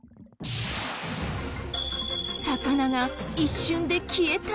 魚が一瞬で消えた？